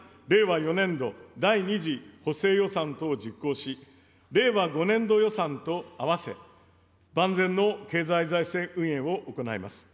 ４年度第２次補正予算等を実行し、令和５年度予算と合わせ、万全の経済財政運営を行います。